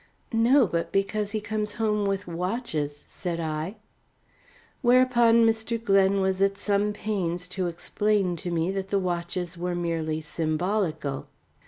"No, but because he comes home with watches," said I. Whereupon Mr. Glen was at some pains to explain to me that the watches were merely symbolical.